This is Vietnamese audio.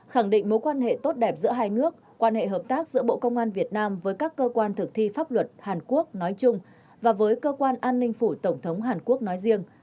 khẳng định mối quan hệ tốt đẹp giữa hai nước quan hệ hợp tác giữa bộ công an việt nam với các cơ quan thực thi pháp luật hàn quốc nói chung và với cơ quan an ninh phủ tổng thống hàn quốc nói riêng